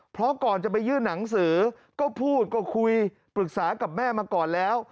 เพราะก่อนจะไปยื่นหนังสือก็พูดก็คุยปรึกษากับแม่มาก่อนแล้ว